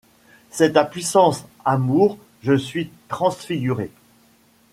C'est ta puissance, amour ! je suis-transfiguré.